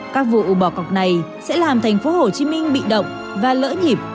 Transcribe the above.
các vụ bỏ cọc này sẽ làm tp hcm bị động và lỡ nhịp